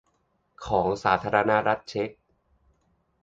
ของสาธารณรัฐเชก